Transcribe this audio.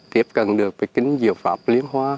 tiếp cận được với kính diệu pháp liên hoa